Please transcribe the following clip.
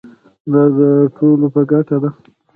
دا د ټولو په ګټه ده.